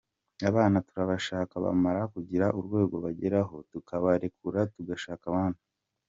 Abana turabashaka bamara kugira urwego bageraho tukabarekura tugashaka abandi.